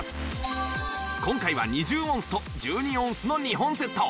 今回は２０オンスと１２オンスの２本セット